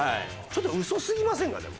ちょっと嘘すぎませんか？